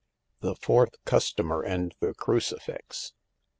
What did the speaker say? THE FOURTH CUSTOMER AND THE CRUCIFIX.